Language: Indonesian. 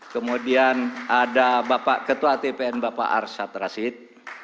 kemudian ada bapak ketua tpn bapak arshad rasid